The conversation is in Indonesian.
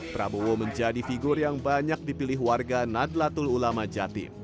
prabowo menjadi figur yang banyak dipilih warga nadlatul ulama jatim